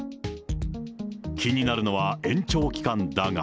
気になるのは、延長期間だが。